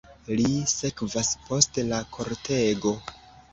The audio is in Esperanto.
Li sekvas post la kortego.